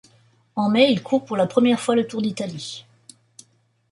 En mai, il court pour la première fois le Tour d'Italie.